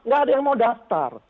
gak ada yang mau daftar